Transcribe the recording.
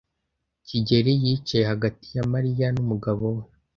kigeli yicaye hagati ya Mariya n'umugabo we.